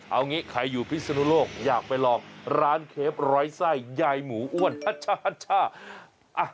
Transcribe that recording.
เอางี้ใครอยู่พิศนุโลกอยากไปลองร้านเคฟร้อยไส้ยายหมูอ้วน